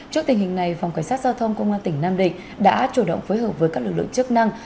trước tình hình này phòng cảnh sát giao thông công an tỉnh nam định đã chủ động phối hợp với các lực lượng chức năng